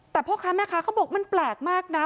แต่พ่อค้าแม่ค้าเขาบอกมันแปลกมากนะ